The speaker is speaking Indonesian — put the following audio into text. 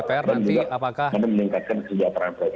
menurut saya lebih prioritas